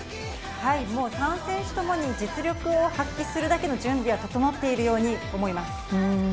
もう３選手ともに実力を発揮するだけの準備は整っているように思います。